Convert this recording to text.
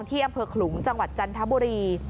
ที่อำเภอขลุงจังหวัดจันทบุรี